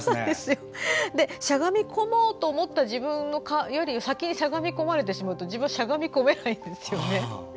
しゃがみ込もうと思った自分より先にしゃがみ込まれてしまうと自分はしゃがみ込めないんですよね。